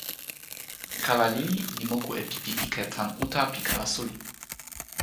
kala lili li moku e pipi ike tan uta pi kala suli.